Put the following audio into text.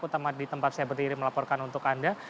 utama di tempat saya berdiri melaporkan untuk anda